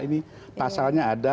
ini pasalnya ada